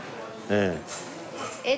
ええ。